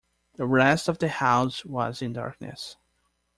The rest of the house was in darkness.